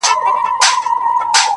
زما کور ته چي راسي زه پر کور يمه؛